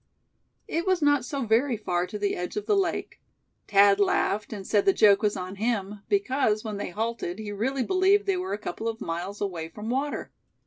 It was not so very far to the edge of the lake. Thad laughed, and said the joke was on him; because, when they halted he really believed they were a couple of miles away from water.